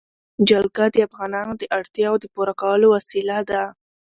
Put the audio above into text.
جلګه د افغانانو د اړتیاوو د پوره کولو وسیله ده.